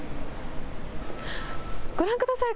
ご覧ください。